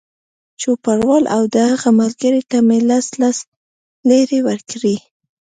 چوپړوال او د هغه ملګري ته مې لس لس لېرې ورکړې.